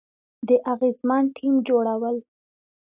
د اغیزمن ټیم جوړول،